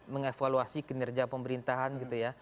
mengevaluasi kinerja pemerintahan gitu ya